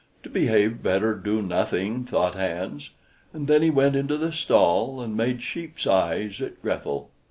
"To behave better, do nothing," thought Hans; and then he went into the stall, and made sheep's eyes at Grethel.